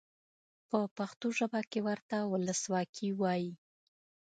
په پښتو ژبه کې ورته ولسواکي وایي.